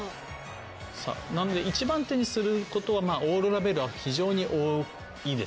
なので一番手にすることはオーロラベールは非常にいいですね。